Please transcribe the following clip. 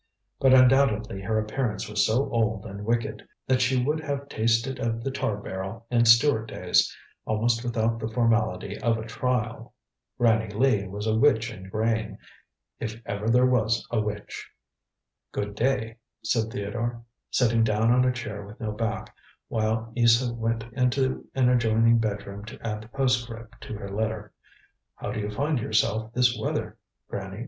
But undoubtedly her appearance was so old and wicked, that she would have tasted of the tar barrel in Stuart days, almost without the formality of a trial. Granny Lee was a witch in grain, if ever there was a witch. "Good day," said Theodore, sitting down on a chair with no back, while Isa went into an adjoining bedroom to add the postscript to her letter. "How do you find yourself this weather, Granny?"